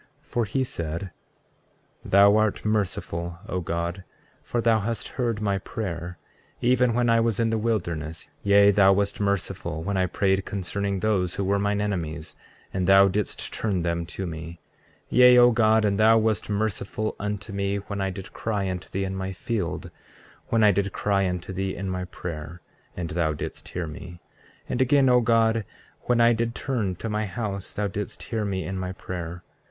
33:4 For he said: Thou art merciful, O God, for thou hast heard my prayer, even when I was in the wilderness; yea, thou wast merciful when I prayed concerning those who were mine enemies, and thou didst turn them to me. 33:5 Yea, O God, and thou wast merciful unto me when I did cry unto thee in my field; when I did cry unto thee in my prayer, and thou didst hear me. 33:6 And again, O God, when I did turn to my house thou didst hear me in my prayer.